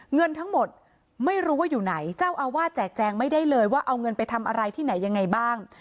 เงินทั้งหมดไม่รู้ว่าอยู่ไหนเจ้าอาวาสแจกแจงไม่ได้เลยว่าเอาเงินไปทำอะไรที่ไหนยังไงบ้าง